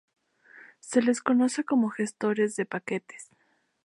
Se les conoce como gestores de paquetes.